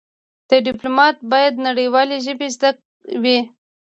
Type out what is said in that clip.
د ډيپلومات بايد نړېوالې ژبې زده وي.